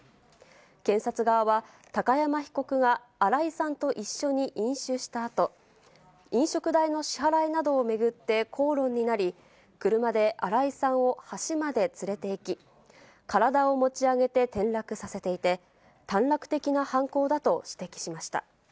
検察側は、高山被告が新井さんと一緒に飲酒したあと、飲食代の支払いなどを巡って口論になり、車で新井さんを橋まで連れていき、体を持ち上げて転落させていて、短絡的な犯行だと指摘しました。